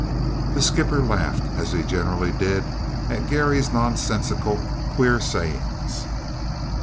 The skipper laughed, as he generally did at Garry's nonsensical, queer sayings.